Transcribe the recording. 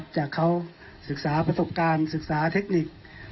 จากเขาศึกษาประสบการณ์ศึกษาเทคนิค